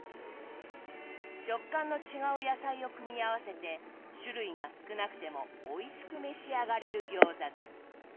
食感の違う野菜を組み合わせて種類が少なくてもおいしく召し上がれる餃子です。